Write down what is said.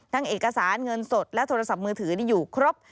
เอกสารเงินสดและโทรศัพท์มือถืออยู่ครบ